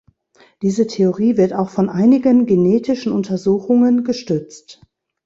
Diese Theorie wird auch von einigen genetischen Untersuchungen gestützt.